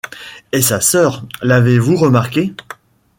Et sa sœur, l’avez-vous remarquée ?